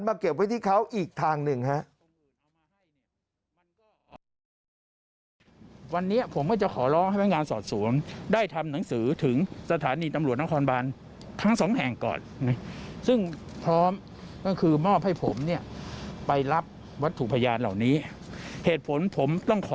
มาเก็บไว้ที่เขาอีกทางหนึ่ง